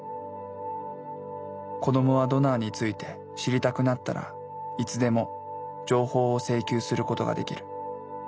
子どもはドナーについて知りたくなったらいつでも情報を請求することができる。